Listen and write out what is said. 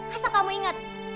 asal kamu inget